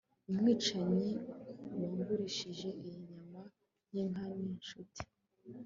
umwicanyi wangurishije iyi nyama yinka ninshuti